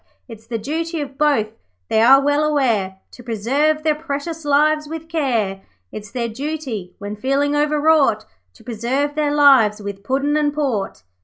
It's the duty of both they are well aware To preserve their precious lives with care; It's their duty, when feeling overwrought, To preserve their lives with Puddin' and Port.'